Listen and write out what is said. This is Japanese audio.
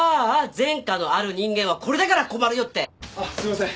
前科のある人間はこれだから困るよってあっすいません